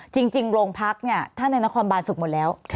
จริงโรงพักษณ์นี่ท่านอาณาคอนบาลฝึกหมดแล้ว